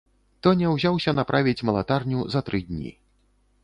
Тоня ўзяўся направіць малатарню за тры дні.